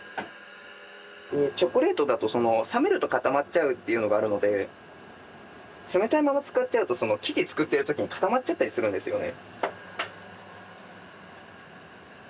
チョコレートだとその冷めると固まっちゃうっていうのがあるので冷たいまま使っちゃうと生地作ってる時に固まっちゃったりするんですよね。